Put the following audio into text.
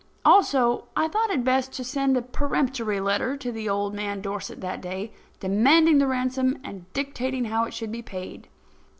Also, I thought it best to send a peremptory letter to old man Dorset that day, demanding the ransom and dictating how it should be paid.